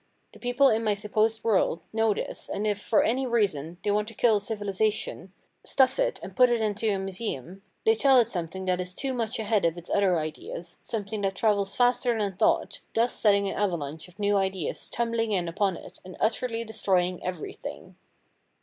The people in my supposed world know this and if, for any reason, they want to kill a civilisation, stuff it and put it into a museum, they tell it something that is too much ahead of its other ideas, something that travels faster than thought, thus setting an avalanche of new ideas tumbling in upon it and utterly destroying everything.